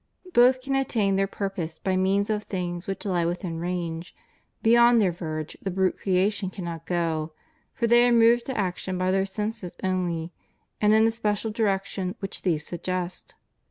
Both can attain their purpose by means of things which lie within range; beyond their verge the brute creation cannot go, for they are moved to action by their senses only, and in the special direction which these suggest.